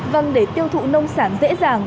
vâng để tiêu thụ nông sản dễ dàng